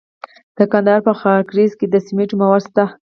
د کندهار په خاکریز کې د سمنټو مواد شته.